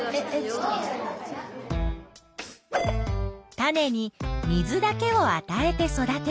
種に水だけをあたえて育てる。